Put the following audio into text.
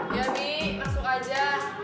iya bi masuk aja